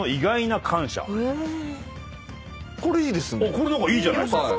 これ何かいいじゃないですか。